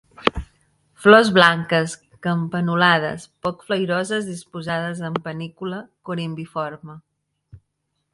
Flors blanques, campanulades, poc flairoses disposades en panícula corimbiforme.